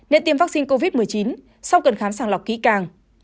nên tiêm vaccine covid một mươi chín sau cần khám sàng lọc kỹ càng